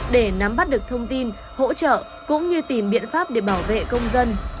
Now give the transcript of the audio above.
để nắm bắt được thông tin hỗ trợ cũng như tìm biện pháp để bảo vệ công dân